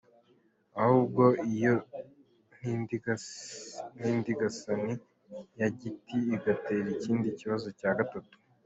Ahubwo iyo ntindigasani ya giti igatera ikindi kibazo cya gatatu.